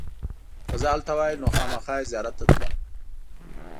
که زه هلته وای نو خامخا یې زیارت ته تلم.